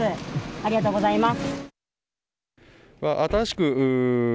ありがとうございます。